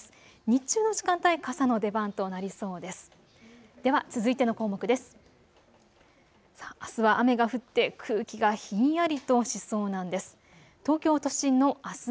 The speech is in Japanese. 日中の時間帯、傘の出番となりそうです。